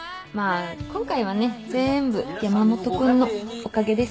今回はねぜんぶ山本君のおかげですから。